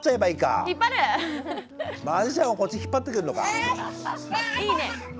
いいね。